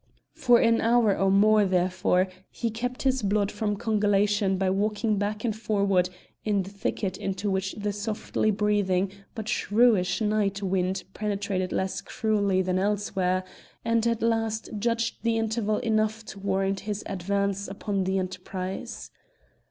For an hour or more, therefore, he kept his blood from congelation by walking back and forward in the thicket into which the softly breathing but shrewish night wind penetrated less cruelly than elsewhere, and at last judged the interval enough to warrant his advance upon the enterprise.